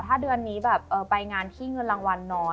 ถ้าเดือนนี้แบบไปงานที่เงินรางวัลน้อย